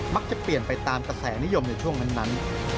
เปลี่ยนไปตามกระแสนิยมในช่วงนั้น